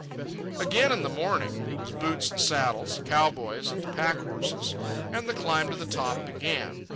Again in the morning, it was boots and saddles, cow boys, and packhorses, and the climb to the top began.